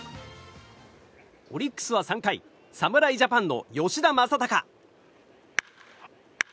オリックスは３回侍ジャパンの吉田正尚。